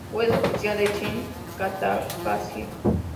Web oficial de Shin Takahashi